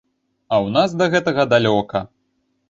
А ў нас да гэтага далёка.